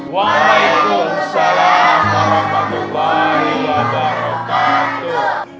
waalaikumsalam warahmatullahi wabarakatuh